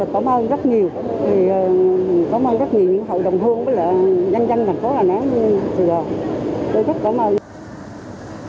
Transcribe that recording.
cảm ơn rất nhiều cảm ơn rất nhiều hội đồng hương với dân dân thành phố đà nẵng sài gòn tôi rất cảm ơn